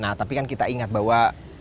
nah tapi kan kita ingat bahwa